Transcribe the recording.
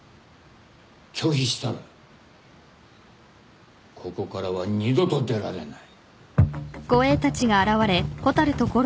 拒否したらここからは二度と出られない。